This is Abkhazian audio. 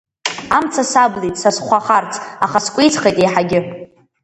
Амца саблит са схәахарц, аха скәицхеит еиҳагьы.